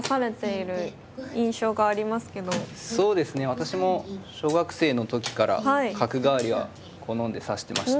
私も小学生の時から角換わりは好んで指してました。